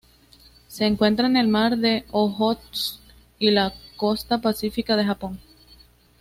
Se encuentra en el mar de Ojotsk y la costa pacífica de Japón.